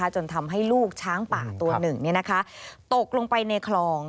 จนทำให้ลูกช้างป่าตัวหนึ่งตกลงไปในคลอง